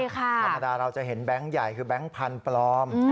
ธรรมดาเราจะเห็นแบงค์ใหญ่คือแบงค์พันธุ์ปลอม